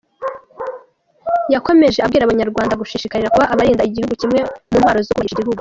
Yakomeje abwira Abanyarwanda gushishikarira kuba abarinda igihugu nk’imwe mu ntwaro zo kubahisha igihugu.